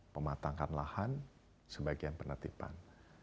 pematangkan lahan sebagian penetipan